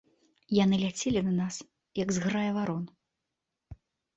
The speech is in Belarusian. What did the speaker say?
Яны ляцелі на нас, як зграя варон.